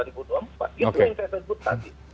itu yang saya sebut tadi